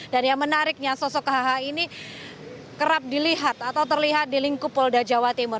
dan yang menariknya sosok hh ini kerap dilihat atau terlihat di lingkup polda jawa timur